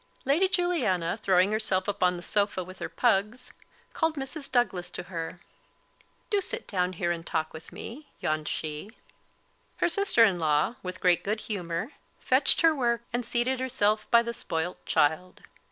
Lady Juliana, throwing herself upon a sofa with her pugs, called Mrs. Douglas to her. "Do sit down here and talk with me," yawned she. Her sister in law, with great good humour, fetched her work, and seated herself by the spoilt child.